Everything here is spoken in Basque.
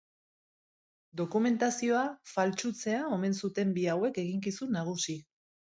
Dokumentazioa faltsutzea omen zuten bi hauek eginkizun nagusi.